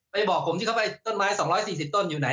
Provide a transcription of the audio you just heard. บอกผมที่เขาไปต้นไม้๒๔๐ต้นอยู่ไหน